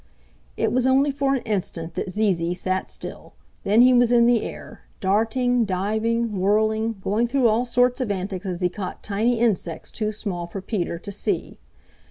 It was only for an instant that Zee Zee sat still; then he was in the air, darting, diving, whirling, going through all sorts of antics as he caught tiny insects too small for Peter to see.